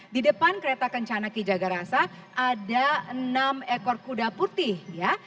di depan kereta kencana ki jagarasa ada enam ekor kuda putih ya